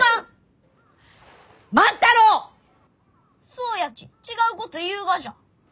そうやち違うこと言うがじゃ。